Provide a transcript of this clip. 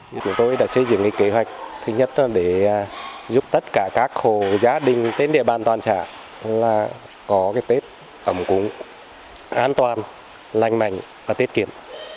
tết đình dậu đã xây dựng kế hoạch thứ nhất là để giúp tất cả các hồ gia đình tên địa bàn toàn trả là có cái tết ẩm cúng an toàn lành mạnh và tiết kiệm